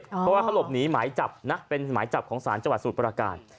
เพราะว่าเขาหลบหนีหมายจับนะเป็นหมายจับของศาลจังหวัดสมุทรประการ